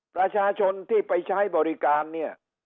ประชาชนที่ไปใช้บริการเนี่ย